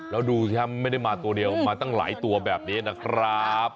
แล้วดูสิครับไม่ได้มาตัวเดียวมาตั้งหลายตัวแบบนี้นะครับ